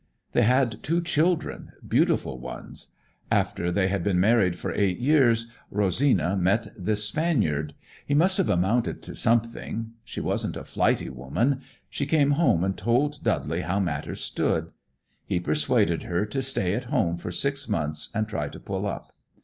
"They had two children, beautiful ones. After they had been married for eight years, Rosina met this Spaniard. He must have amounted to something. She wasn't a flighty woman. She came home and told Dudley how matters stood. He persuaded her to stay at home for six months and try to pull up.